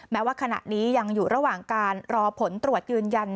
แม้ว่าขณะนี้ยังอยู่ระหว่างการรอผลตรวจยืนยัน